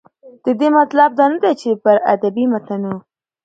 د دې مطلب دا نه دى، چې پر ادبي متونو